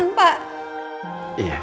pengurangan waktu tahanan